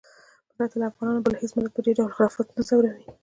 پرته له افغانانو بل هېڅ ملت په دې ډول خرافاتو نه ځورېږي.